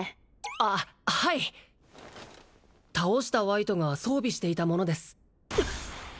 あっはい倒したワイトが装備していたものです